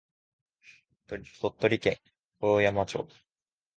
鳥取県大山町